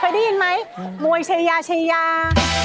เคยได้ยินไหมมวยชายาชายา